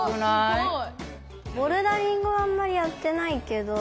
すごい。